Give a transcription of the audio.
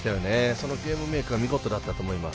そのゲームメイクが見事だったと思います。